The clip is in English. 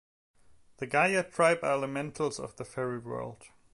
The Gaia Tribe are elementals of the Fairy World.